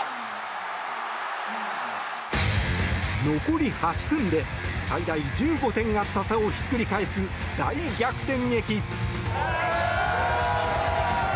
残り８分で最大１５点あった差をひっくり返す大逆転劇！